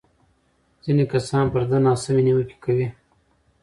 ځینې کسان پر ده ناسمې نیوکې کوي.